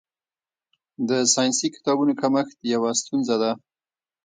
د ساینسي کتابونو کمښت یوه ستونزه ده.